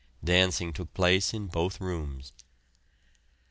Dancing took place in both rooms.